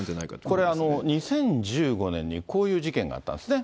これ、２０１５年にこういう事件があったんですね。